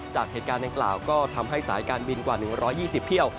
จากเหตุการณ์ดังกล่าวก็ทำให้สายการบินกว่า๑๒๐เที่ยว